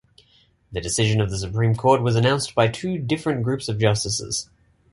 The decision of the Supreme Court was announced by two different groups of Justices.